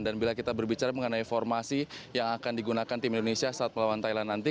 dan bila kita berbicara mengenai formasi yang akan digunakan tim indonesia saat melawan thailand nanti